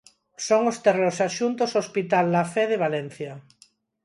Son os terreos adxuntos ao hospital La Fe, de Valencia.